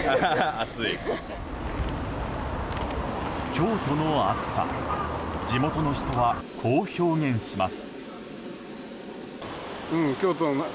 京都の暑さ地元の人は、こう表現します。